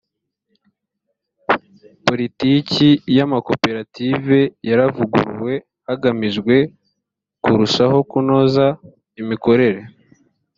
politiki y amakoperative yaravuguruwe hagamijwe kurushaho kunoza imikorere